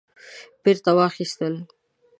بیرته واخیستل